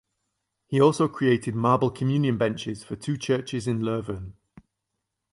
He also created marble communion benches for two churches in Leuven.